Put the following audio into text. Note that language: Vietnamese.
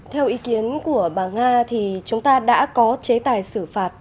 theo ý kiến của bà nga thì chúng ta đã có chế tài xử phạt